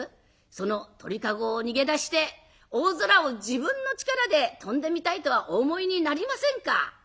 その鳥籠を逃げ出して大空を自分の力で飛んでみたいとはお思いになりませんか？」。